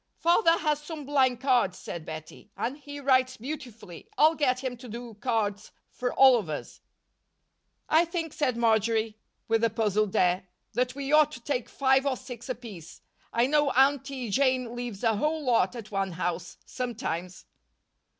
"Father has some blank cards," said Bettie, "and he writes beautifully. I'll get him to do cards for all of us." "I think," said Marjory, with a puzzled air, "that we ought to take five or six apiece. I know Aunty Jane leaves a whole lot at one house, sometimes."